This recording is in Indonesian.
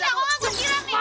pergi gak gue kiram nih